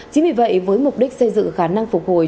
chính vì vậy với mục đích xây dựng khả năng phục hồi